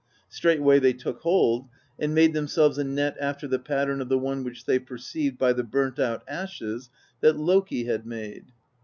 Straightway they took hold, and made themselves a net after the pattern of the one which they perceived, by the burnt out ashes, that Loki had made.